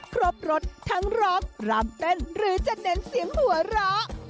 ครบรถทั้งร้องรำเต้นหรือจะเน้นเสียงหัวเราะ